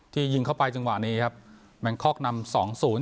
ยิงเข้าไปจังหวะนี้ครับแบงคอกนำสองศูนย์